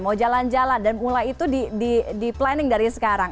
mau jalan jalan dan mulai itu di planning dari sekarang